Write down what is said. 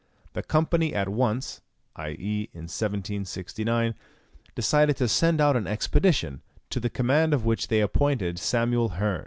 The company at once, i.e. in 1769, decided to send out an expedition, to the command of which they appointed Samuel Hearn.